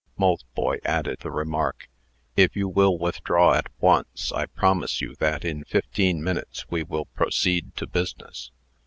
Maltboy added the remark: "If you will withdraw at once, I promise you that in fifteen minutes we will proceed to business."